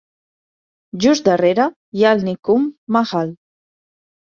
Just darrere hi ha el Nikumbh Mahal.